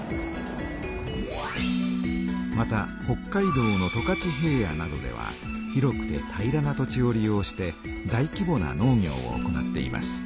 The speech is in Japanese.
また北海道の十勝平野などでは広くて平らな土地を利用して大きぼな農業を行っています。